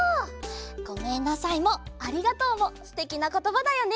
「ごめんなさい」も「ありがとう」もすてきなことばだよね！